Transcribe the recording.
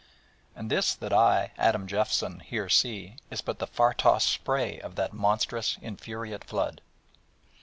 And this that I, Adam Jeffson, here see is but the far tossed spray of that monstrous, infuriate flood.'